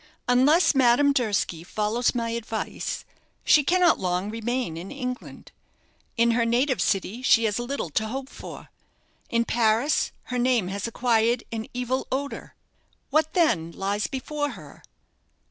"Unless Madame Durski follows my advice, she cannot long remain in England. In her native city she has little to hope for. In Paris, her name has acquired an evil odour. What, then, lies before her?"